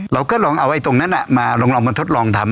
เราก็ลองเอาไอ้ตรงนั้นมาลองมาทดลองทำ